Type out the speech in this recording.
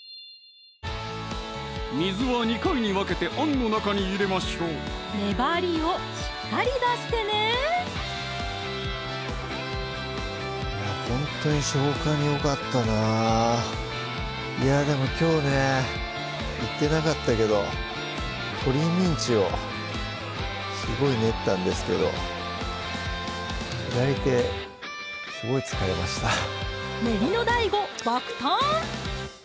水は２回に分けてあんの中に入れましょう粘りをしっかり出してねいやほんとに消化によかったないやでもきょうね言ってなかったけど鶏ミンチをすごい練ったんですけど練りのＤＡＩＧＯ爆誕！